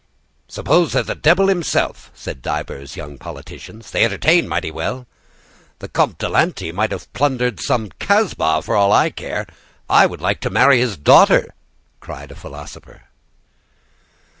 "Suppose they're the devil himself," said divers young politicians, "they entertain mighty well." "The Comte de Lanty may have plundered some Casbah for all I care; I would like to marry his daughter!" cried a philosopher.